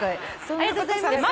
ありがとうございます。